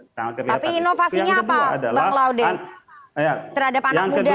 tapi inovasinya apa bang laude